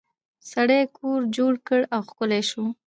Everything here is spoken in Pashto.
سړي کور جوړ کړ او ښکلی شو.